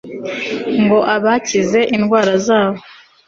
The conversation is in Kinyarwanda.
ngo abakize indwara zabo